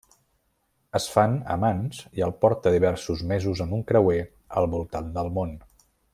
Es fan amants i el porta diversos mesos en un creuer al voltant del món.